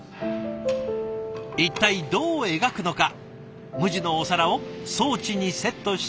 一体どう描くのか無地のお皿を装置にセットして。